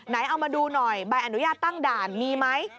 เอามาดูหน่อยใบอนุญาตตั้งด่านมีไหม